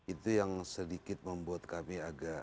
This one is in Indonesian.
itu yang sedikit membuat kami agak